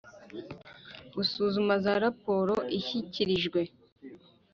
Gusuzuma za raporo ishyikirijwe